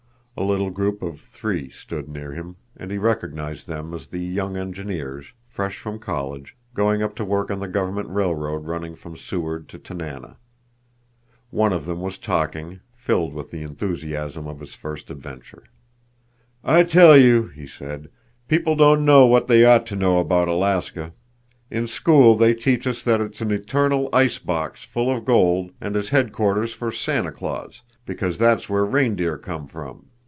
A little group of three stood near him, and he recognized them as the young engineers, fresh from college, going up to work on the government railroad running from Seward to Tanana. One of them was talking, filled with the enthusiasm of his first adventure. "I tell you," he said, "people don't know what they ought to know about Alaska. In school they teach us that it's an eternal icebox full of gold, and is headquarters for Santa Claus, because that's where reindeer come from.